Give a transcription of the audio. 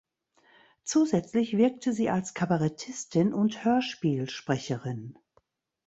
Zusätzlich wirkte sie als Kabarettistin und Hörspielsprecherin.